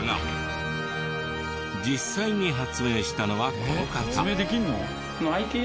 実際に発明したのはこの方。